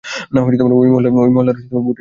না, ওই মহল্লার ভোট এসে পড়েছে।